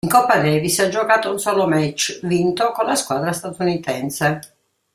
In Coppa Davis ha giocato un solo match, vinto, con la squadra statunitense.